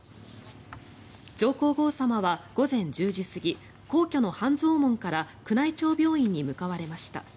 上皇后さまは午前１０時過ぎ皇居の半蔵門から宮内庁病院に向かわれました。